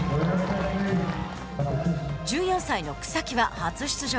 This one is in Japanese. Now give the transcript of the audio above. １４歳の草木は初出場。